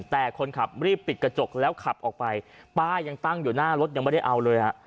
แต่คนขับรีบปิดกระจกแล้วขับออกไปป้ายังตั้งอยู่หน้ารถยังไม่ได้เอาเลยฮะ